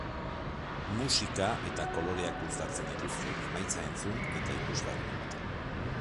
Musika eta koloreak uztartzen dituzte, emaitza entzun eta ikusgarria ematen.